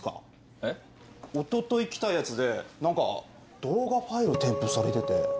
えっ？一昨日来たやつで何か動画ファイル添付されてて。